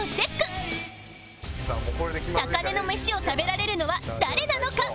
高値の飯を食べられるのは誰なのか？